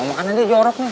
mau makanan dia jorok nih